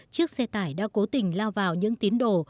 chiếc xe tải đã cố tình lao vào những tín đồ